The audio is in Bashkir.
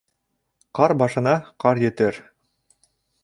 Ҡар башына ҡар етер